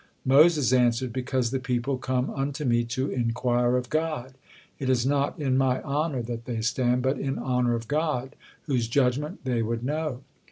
Moses answered: "Because the people come unto me to enquire of God. It is not in my honor that they stand, but in honor of God, whose judgement they would know.